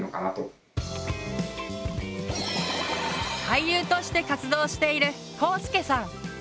俳優として活動しているこうすけさん。